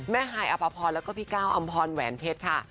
ฮายอภพรแล้วก็พี่ก้าวอำพรแหวนเพชรค่ะ